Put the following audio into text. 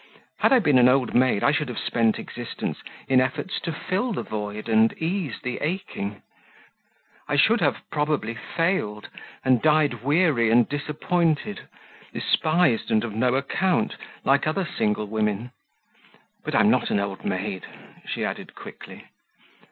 Had I been an old maid I should have spent existence in efforts to fill the void and ease the aching. I should have probably failed, and died weary and disappointed, despised and of no account, like other single women. But I'm not an old maid," she added quickly.